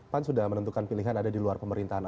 pan sudah menentukan pilihan ada di luar pemerintahan